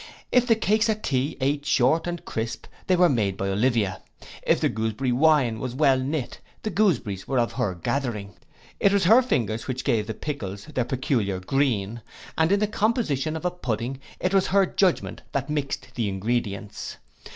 If the cakes at tea eat short and crisp, they were made by Olivia: if the gooseberry wine was well knit, the gooseberries were of her gathering: it was her fingers which gave the pickles their peculiar green; and in the composition of a pudding, it was her judgment that mix'd the ingredients.